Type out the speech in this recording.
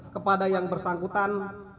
kepada yang bersangkutan